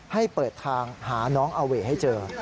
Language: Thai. ให้เปิดทางหาน้องอาเว่ให้เจอ